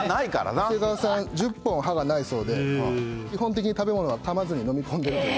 長谷川さん１０本歯がないそうで、基本的に食べ物はかまずに飲み込んでいるという。